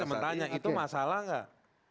saya cuma tanya itu masalah nggak